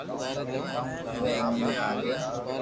او وي او ني آوين